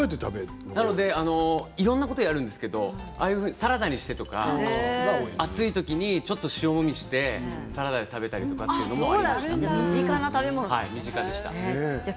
なので、いろんなことをやるんですけどサラダにしてとか暑い時にちょっと塩もみしてサラダで食べたりとかというのもありました。